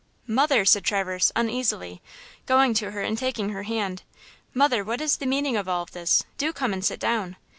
"Mother," said Traverse, uneasily, going to her and taking her hand, "mother, what is the meaning of all this? Do come and sit down."